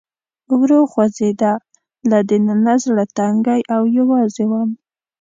ورو خوځېده، له دننه زړه تنګی او یوازې ووم.